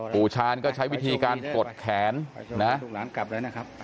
ปู่ชานก็ใช้วิธีการกดแขนนะครับ